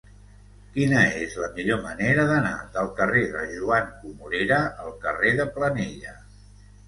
Quina és la millor manera d'anar del carrer de Joan Comorera al carrer de Planella?